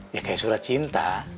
ya kayak surat cinta